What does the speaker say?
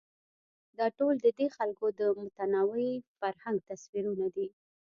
دا ټول ددې خلکو د متنوع فرهنګ تصویرونه دي.